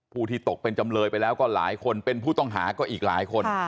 ที่ตกเป็นจำเลยไปแล้วก็หลายคนเป็นผู้ต้องหาก็อีกหลายคน